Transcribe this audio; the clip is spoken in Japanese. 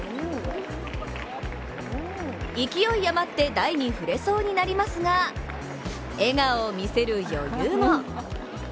勢い余って台に触れそうになりますが、笑顔を見せる余裕も。